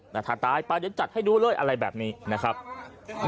ถ้าตายไปเดี๋ยวจัดให้ดูเลยอะไรแบบนี้นะครับ